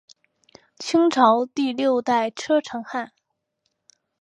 清朝第六代车臣汗。